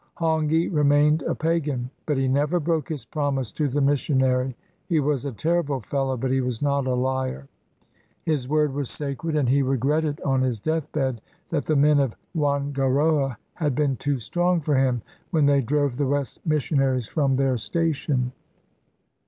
Hongi remained a pagan; but he never broke his promise to the mission ary. He was a terrible fellow, but he was not a liar. His word was sacred, and he regretted on his death bed that the men of Whangaroa had been too strong for him when they drove the Wesleyan missionaries from their station.